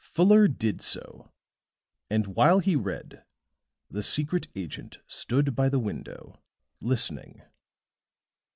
Fuller did so, and while he read, the secret agent stood by the window, listening.